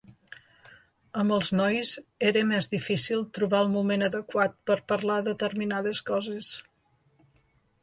Amb els nois, era més difícil trobar el moment adequat per parlar determinades coses.